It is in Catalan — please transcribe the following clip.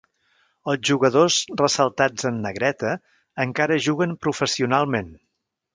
Els jugadors ressaltats en negreta encara juguen professionalment.